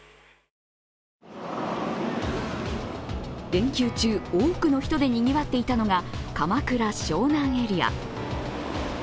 連休中、多くの人でにぎわっていたのが鎌倉・湘南エリア。